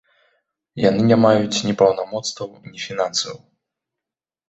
Яны не маюць ні паўнамоцтваў, ні фінансаў.